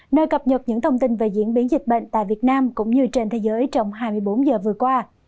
nơi cập nhật những thông tin về diễn biến dịch bệnh tại việt nam cũng như trên thế giới trong hai mươi bốn giờ vừa qua